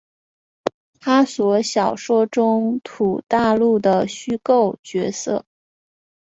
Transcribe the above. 哈索小说中土大陆的虚构角色。